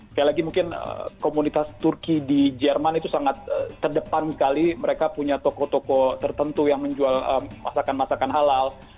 sekali lagi mungkin komunitas turki di jerman itu sangat terdepan sekali mereka punya toko toko tertentu yang menjual masakan masakan halal